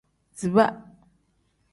Ziba.